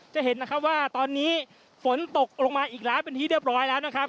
จะเห็นนะครับว่าตอนนี้ฝนตกลงมาอีกแล้วเป็นที่เรียบร้อยแล้วนะครับ